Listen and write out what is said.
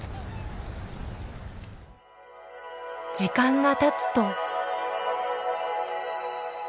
時間がたつと。